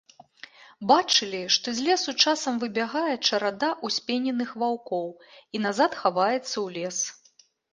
Бачылі, што з лесу часам выбягае чарада ўспененых ваўкоў і назад хаваецца ў лес.